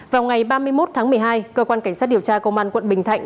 vào ngày ba mươi một tháng một mươi hai cơ quan cảnh sát điều tra công an quận bình thạnh